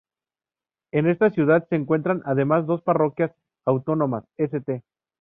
En esta ciudad se encuentran además dos parroquias autónomas: St.